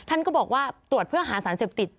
ท่านก็บอกว่าตรวจเพื่อหาสารเสพติด